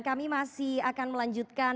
kami masih akan melanjutkan